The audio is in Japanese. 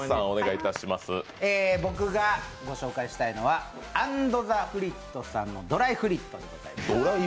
僕がご紹介したいのはＡＮＤＴＨＥＦＲＩＥＴさんのドライフリットでございます。